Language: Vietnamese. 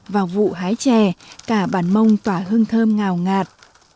vào vụ hái trè cả bản mông tỏa hương thơm ngào ngạt